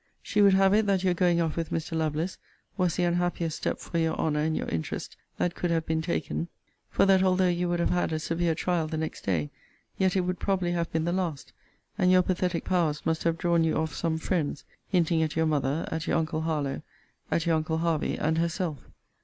'She would have it, that your going off with Mr. Lovelace was the unhappiest step for your honour and your interest that could have been taken; for that although you would have had a severe trial the next day, yet it would probably have been the last; and your pathetic powers must have drawn you off some friends hinting at your mother, at your uncle Harlowe, at your uncle Hervey, and herself.'